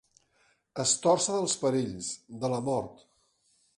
Estòrcer dels perills, de la mort.